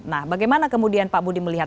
nah bagaimana kemudian pak budi melihat